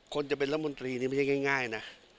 คนจะเป็นรัฐมนตรีนี่ไม่ใช่ง่ายนะ